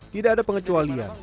tidak ada pengecualian